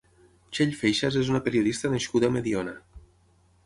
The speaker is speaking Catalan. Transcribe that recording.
Txell Feixas és una periodista nascuda a Mediona.